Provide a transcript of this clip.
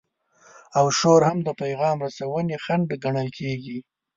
او شور هم د پیغام رسونې خنډ ګڼل کیږي.